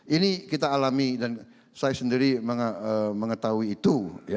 ini kita alami dan saya sendiri mengetahui itu